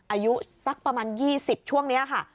อายุสักประมาณ๒๐ช่วงนี้ค่ะ